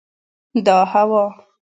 دا هوا